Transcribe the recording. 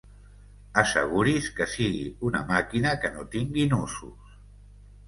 Asseguri's que sigui una màquina que no tingui nusos.